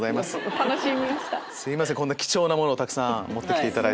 こんな貴重なものをたくさん持って来ていただいて。